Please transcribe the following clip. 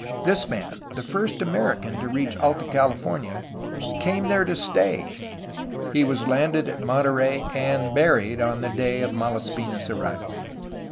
This man, the first American to reach Alta California, came there to stay. He was landed at Monterey and buried on the day of Malaspina' s arrival.